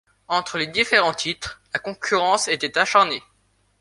Entre les différents titres, la concurrence était acharnée.